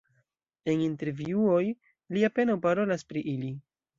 En intervjuoj li apenaŭ parolas pri ili.